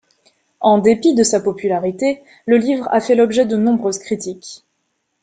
En dépit de sa popularité, le livre a fait l'objet de nombreuses critiques.